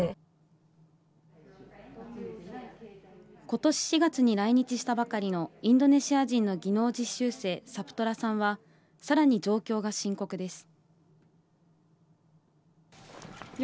ことし４月に来日したばかりのインドネシア人の技能実習生、サプトラさんは、さらに状況が深刻です。